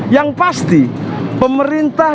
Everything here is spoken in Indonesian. yang pasti pemerintah